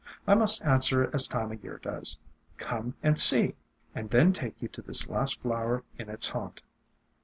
"I must answer as Time o' Year does, 'Come and see!' and then take you to this last flower in its haunt."